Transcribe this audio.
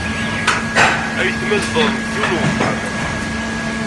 Ayetma zedɣen deg yiwen uxxam.